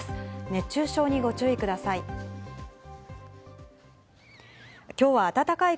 熱中症にご注意ください。